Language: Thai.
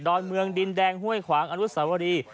อนเมืองดินแดงห้วยขวางอนุสวรี